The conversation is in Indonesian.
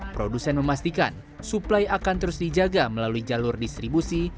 produsen memastikan suplai akan terus dijaga melalui jalur distribusi